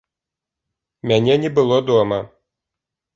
Мяне не было дома.